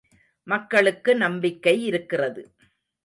மக்களுக்கு நம்பிக்கை இருக்கிறது.